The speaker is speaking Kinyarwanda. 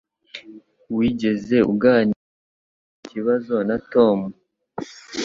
Wigeze uganira kuri iki kibazo na Tom